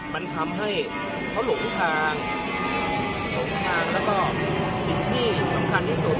มันทำให้เขาหลงทางหลงทางแล้วก็สิ่งที่สำคัญที่สุด